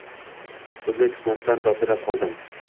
Bunday tuhmatdan dovdirab qoldim